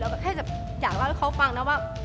แบบแค่จะอยากเล่าให้เขาฟังนะว่า